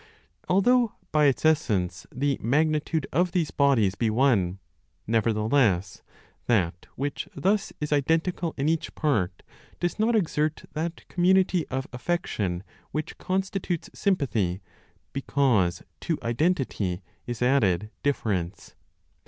Although (by its essence) the magnitude of these bodies be one, nevertheless that which thus is identical in each part does not exert that community of affection which constitutes sympathy, because to identity is added difference.